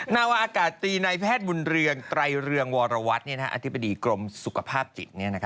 นาวาอากาศตรีในแพทย์บุญเรืองไกรเรืองวรวัตรอธิบดีกรมสุขภาพจิต